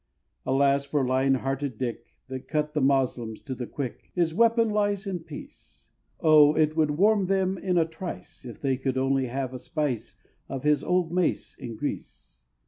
Alas for Lion Hearted Dick, That cut the Moslems to the quick, His weapon lies in peace: Oh, it would warm them in a trice, If they could only have a spice Of his old mace in Greece!